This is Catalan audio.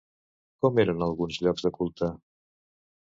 Com eren alguns llocs de culte?